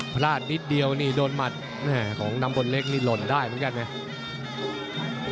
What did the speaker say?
พลาดนิดเดียวนี่โดนหมัดของน้ำพลเล็กนี่หล่นได้เหมือนกันไง